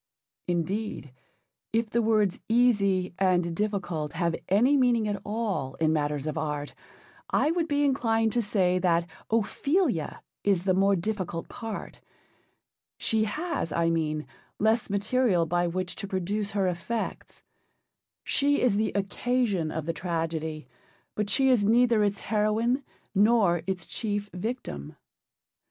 Indeed, if the words easy and difficult have any meaning at all in matters of art, I would be inclined to say that Ophelia is the more difficult part. She has, I mean, less material by which to produce her effects. She is the occasion of the tragedy, but she is neither its heroine nor its chief victim.